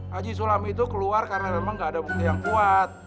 wajih sulam itu keluar karena memang gak ada bukti yang kuat